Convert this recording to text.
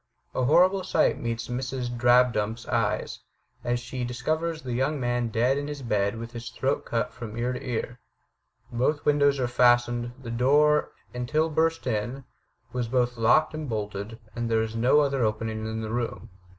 A horrible sight meets Mrs. Drabdump's eyes, as she dis covers the young man dead in his bed with his throat cut from ear to ear. Both windows are fastened; the door, until burst in, was both locked and bolted; and there is no other opening in the room.